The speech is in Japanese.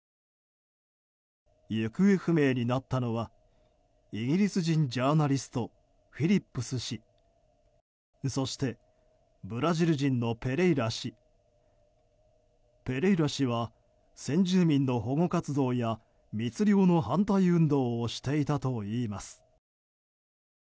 行方不明になったのはイギリス人ジャーナリストフィリップス氏そして、ブラジル人のペレイラ氏ペレイラ氏は先住民の保護活動や密漁の反対運動をしていたといいます。